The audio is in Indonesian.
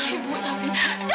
ya ibu tapi